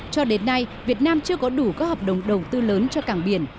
cho đến nay việt nam chưa có đủ các hợp đồng đầu tư lớn cho cảng biển